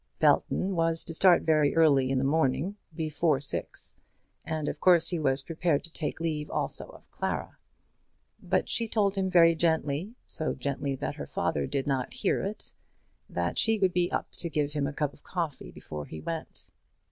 Belton was to start very early in the morning, before six, and of course he was prepared to take leave also of Clara. But she told him very gently, so gently that her father did not hear it, that she would be up to give him a cup of coffee before he went.